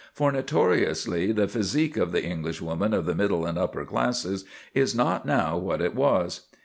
For, notoriously, the physique of the Englishwoman of the middle and upper classes is not now what it was.